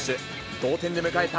同点で迎えた